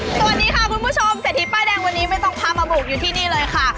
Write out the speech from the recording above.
สวัสดีค่ะคุณผู้ชมเศรษฐีป้ายแดงวันนี้ไม่ต้องพามาบุกอยู่ที่นี่เลยค่ะ